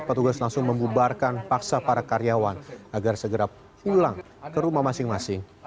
petugas langsung membubarkan paksa para karyawan agar segera pulang ke rumah masing masing